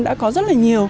đã có rất là nhiều